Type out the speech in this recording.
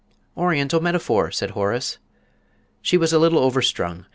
"Oriental metaphor!" said Horace. "She was a little overstrung.